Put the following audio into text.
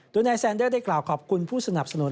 โดยนายแซนเดอร์ได้กล่าวขอบคุณผู้สนับสนุน